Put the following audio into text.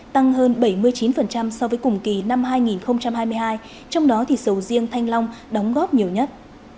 tăng hơn bảy mươi chín so với cùng kỳ năm hai nghìn hai mươi hai trong đó thì sầu riêng thanh long đóng góp nhiều nhất